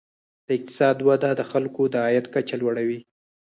د اقتصاد وده د خلکو د عاید کچه لوړوي.